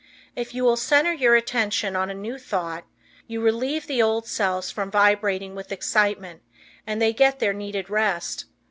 If you will center your attention on a new thought, you relieve the old cells from vibrating with excitement and they get their needed rest.